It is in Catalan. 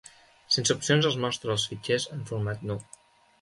Sense opcions, ls mostra els fitxers en format nu.